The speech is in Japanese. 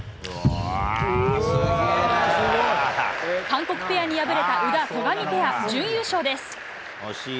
韓国ペアに敗れた宇田・戸上ペア、準優勝です。